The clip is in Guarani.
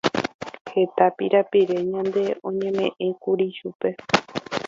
Heta pirapire ndaje oñemeʼẽkuri chupe.